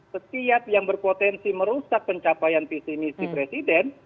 setiap yang berpotensi merusak pencapaian visi misi presiden